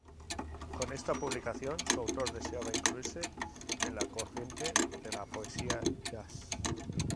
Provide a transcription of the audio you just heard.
Con esta publicación, su autor deseaba incluirse en la corriente de la poesía jazz.